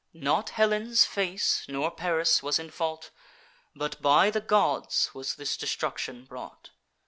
Not Helen's face, nor Paris, was in fault; But by the gods was this destruction brought.